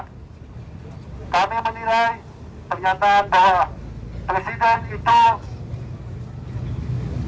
kami menilai pernyataan bahwa presiden itu